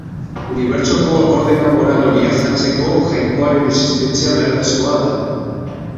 Unibertsoko ordena moral hori azaltzeko, Jainkoaren existentzia beharrezkoa da.